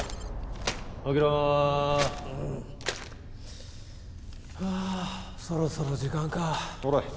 起きろうんはあそろそろ時間かほれ